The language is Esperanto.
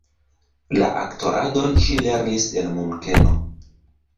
La aktoradon ŝi lernis en Munkeno.